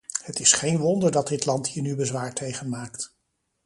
Het is geen wonder dat dit land hier nu bezwaar tegen maakt.